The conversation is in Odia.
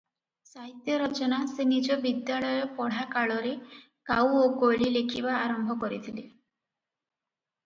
"ସାହିତ୍ୟ ରଚନା ସେ ନିଜ ବିଦ୍ୟାଳୟ ପଢ଼ା କାଳରେ "କାଉ ଓ କୋଇଲି" ଲେଖିବା ଆରମ୍ଭ କରିଥିଲେ ।"